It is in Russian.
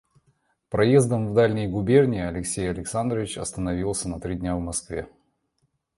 Проездом в дальние губернии Алексей Александрович остановился на три дня в Москве.